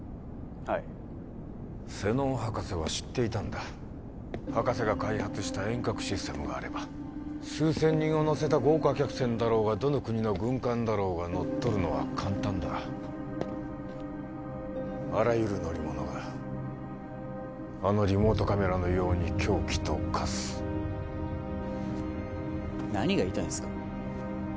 はい瀬能博士は知っていたんだ博士が開発した遠隔システムがあれば数千人を乗せた豪華客船だろうがどの国の軍艦だろうが乗っ取るのは簡単だあらゆる乗り物があのリモートカメラのように凶器と化す何が言いたいんですか？